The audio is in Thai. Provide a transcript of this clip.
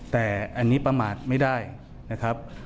แต่อันนี้ประมาทไม่ได้นะครับ